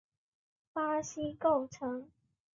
巴西构成。